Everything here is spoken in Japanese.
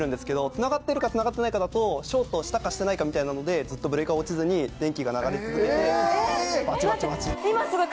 つながってるかつながってないかだとショートしたかしてないかみたいなのでずっとブレーカー落ちずに電気が流れ続けてバチバチバチ。